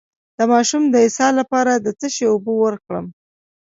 د ماشوم د اسهال لپاره د څه شي اوبه ورکړم؟